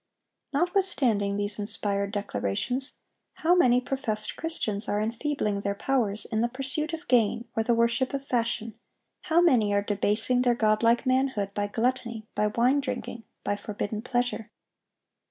(816) Notwithstanding these inspired declarations, how many professed Christians are enfeebling their powers in the pursuit of gain or the worship of fashion; how many are debasing their godlike manhood by gluttony, by wine drinking, by forbidden pleasure.